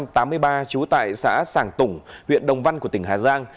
trú tại xã sàng tủng huyện đồng văn của tỉnh hà giang